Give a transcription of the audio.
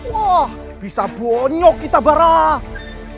wah bisa bonyok kita barang